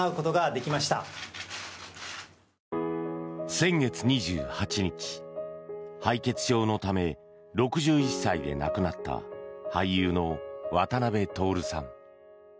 先月２８日、敗血症のため６１歳で亡くなった俳優の渡辺徹さん。